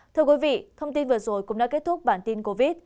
thưa quý vị thông tin vừa rồi cũng đã kết thúc bản tin covid